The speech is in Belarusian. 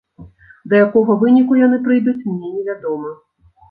Да якога выніку яны прыйдуць, мне не вядома.